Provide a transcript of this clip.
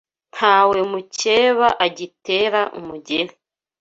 Nawe mukeba agitera umugeri